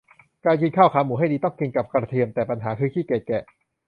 การกินข้าวขาหมูให้ดี ต้องกินกับกระเทียม แต่ปัญหาคือ ขี้เกียจแกะ